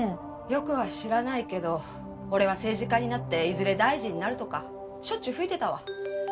よくは知らないけど俺は政治家になっていずれ大臣になるとかしょっちゅう吹いてたわ。